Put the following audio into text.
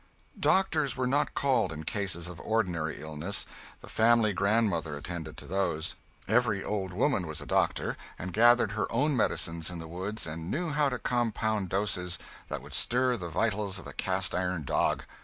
Doctors were not called, in cases of ordinary illness; the family's grandmother attended to those. Every old woman was a doctor, and gathered her own medicines in the woods, and knew how to compound doses that would stir the vitals of a cast iron dog.